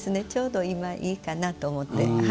ちょうどいいかなと思って。